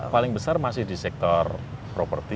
paling besar masih di sektor properti